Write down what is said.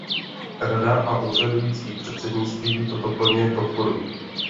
Rada a úřadující předsednictví toto plně podporují.